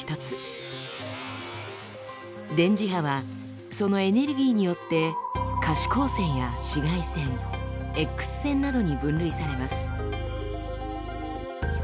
電磁波はそのエネルギーによって可視光線や紫外線Ｘ線などに分類されます。